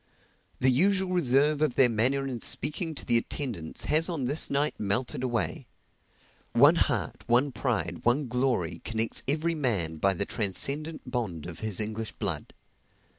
The usual reserve of their manner in speaking to the attendants has on this night melted away. One heart, one pride, one glory, connects every man by the transcendent bond of his English blood.